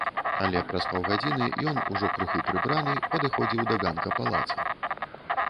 Але праз паўгадзіны ён ужо, крыху прыбраны, падыходзіў да ганка палаца.